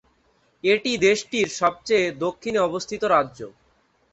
এটি দেশটির সবচেয়ে দক্ষিণে অবস্থিত রাজ্য।